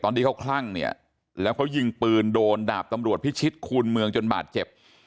ที่เขาคลั่งเนี่ยแล้วเขายิงปืนโดนดาบตำรวจพิชิตคูณเมืองจนบาดเจ็บ